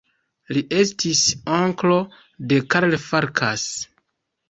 Li estis onklo de Karl Farkas.